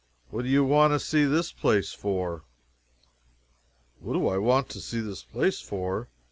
What do you want to see this place for?" "What do I want to see this place for?